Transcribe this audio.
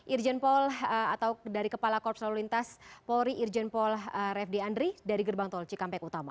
irjen paul atau dari kepala korps lalu lintas polri irjen pol refdy andri dari gerbang tol cikampek utama